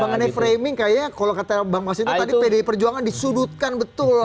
mengenai framing kayaknya kalau kata bang mas hinto tadi pdi perjuangan disudutkan betul